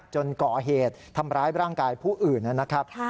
จนก่อเหตุทำร้ายร่างกายผู้อื่นนะครับ